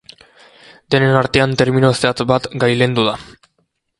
Denen artean termino zehatz bat gailendu da.